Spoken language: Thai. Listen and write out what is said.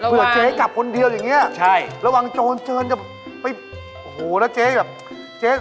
เผื่อเจ๊กลับคนเดียวอย่างนี้นะครับระวังโจรเจิญจะไปโอ้โฮแล้วเจ๊แบบ